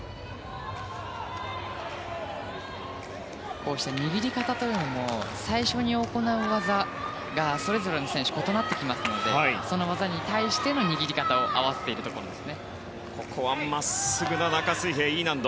こうして握り方も最初に行う技がそれぞれの選手異なってきますのでその技に対しての握り方を合わせているところです。